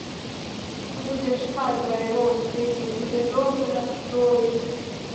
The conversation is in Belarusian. Будзе шмат драйвовых песень, будзе добры настрой!